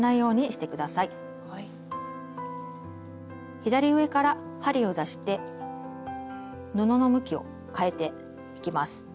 左上から針を出して布の向きを変えていきます。